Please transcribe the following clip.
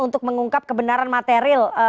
untuk mengungkap kebenaran material